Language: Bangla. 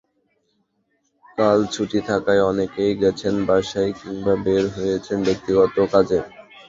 কাল ছুটি থাকায় অনেকেই গেছেন বাসায়, কিংবা বের হয়েছেন ব্যক্তিগত কাজে।